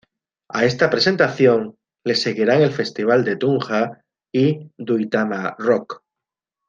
A esta presentación le seguirían el Festival de Tunja y Duitama Rock.